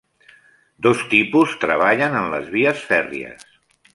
Dos tipus treballen en les vies fèrries.